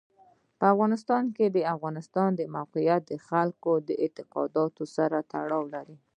په افغانستان کې د افغانستان د موقعیت د خلکو د اعتقاداتو سره تړاو لري.